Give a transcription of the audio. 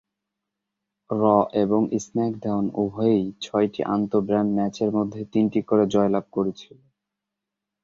র এবং স্ম্যাকডাউন উভয়েই ছয়টি আন্ত-ব্র্যান্ড ম্যাচের মধ্যে তিনটি করে জয়লাভ করেছিল।